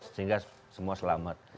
sehingga semua selamat